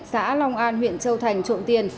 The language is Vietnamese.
xã long an huyện châu thành trộm tiền